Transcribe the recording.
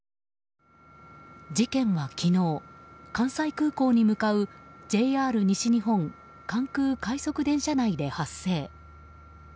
事件は昨日、関西空港に向かうＪＲ西日本関空快速電車内で発生。